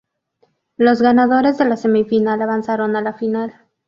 Los ganadores de la semifinal avanzaron a la Final.